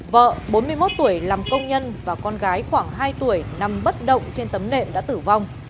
vợ bốn mươi một tuổi làm công nhân và con gái khoảng hai tuổi nằm bất động trên tấm nệm đã tử vong